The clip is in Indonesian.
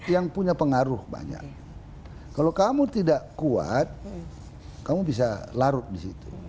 yang punya pengaruh banyak kalau kamu tidak kuat kamu bisa larut di situ